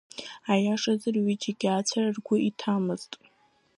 Аиашазы рҩыџьагьы ацәара ргәы иҭаӡамызт.